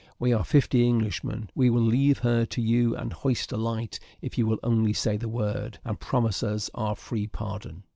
We are fifty Englishmen we will heave her to and hoist a light, if you will only say the word, and promise us our free pardon."